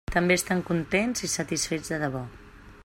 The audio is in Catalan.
També estan contents i satisfets de debò.